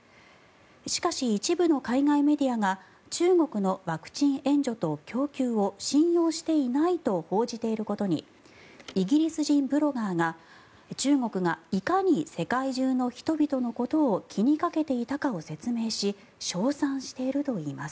しかし、一部の海外メディアが中国のワクチン援助と供給を信用していないと報じていることにイギリス人ブロガーが中国がいかに世界中の人々のことを気にかけていたかを説明し称賛しているといいます。